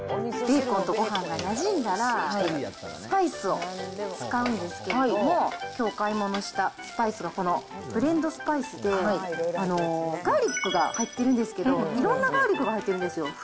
ベーコンとごはんがなじんだら、スパイスを使うんですけども、きょうお買い物したスパイスがこのブレンドスパイスで、ガーリックが入ってるんですけど、いろんなガーリックが入ってるんですよ。